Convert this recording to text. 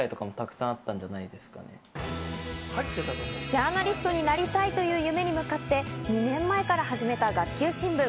ジャーナリストになりたいという夢に向かって２年前から始めた学級新聞。